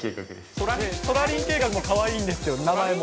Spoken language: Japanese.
そらりん計画もかわいいんですよ、名前も。